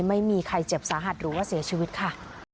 ไม่มีใครเจ็บสาหัสหรือว่าเสียชีวิตค่ะ